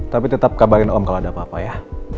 tapi tetap kabarin om kalau ada apa apa ya